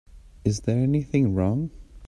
Is there anything wrong?